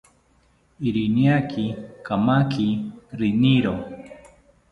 Iriani kamaki riniro